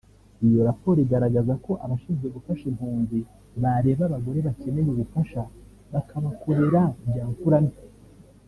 Iyo raporo igaragaza ko abashinzwe gufasha impunzi bareba abagore bakeneye ubufasha bakabakorera ibya mfura mbi